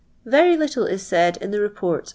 Very little U said ni the Tlep. rt ab.